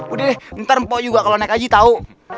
udah deh ntar mpok juga kalo naik aja tau